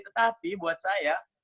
tetapi buat saya